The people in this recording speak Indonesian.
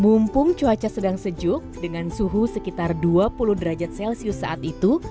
mumpung cuaca sedang sejuk dengan suhu sekitar dua puluh derajat celcius saat itu